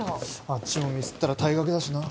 あっちもミスったら退学だしな。